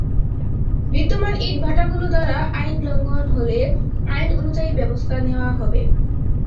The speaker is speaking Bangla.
বিদ্যমান ইটভাটাগুলো দ্বারা আইন লঙ্ঘন হলে আইন অনুযায়ী ব্যবস্থা নেওয়া হবে।